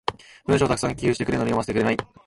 文章を沢山寄付してるのに読ませてくれない。